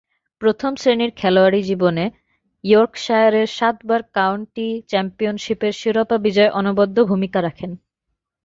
প্রথম-শ্রেণীর খেলোয়াড়ী জীবনে ইয়র্কশায়ারের সাতবার কাউন্টি চ্যাম্পিয়নশীপের শিরোপা বিজয়ে অনবদ্য ভূমিকা রাখেন।